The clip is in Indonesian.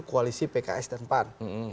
kualisi pks dan pan